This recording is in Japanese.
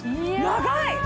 長い！